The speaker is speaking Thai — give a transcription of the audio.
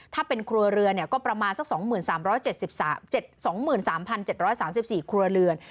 ถ้าเป็นครัวเรือนก็ประมาณสัก๒๓๗๒๓๗๓๔ครัวเรือน